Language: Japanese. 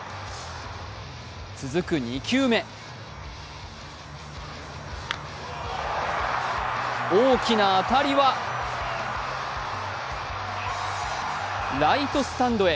続く、２球目大きな当たりはライトスタンドへ。